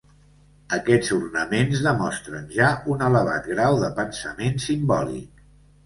Aquests ornaments demostren ja un elevat grau de pensament simbòlic.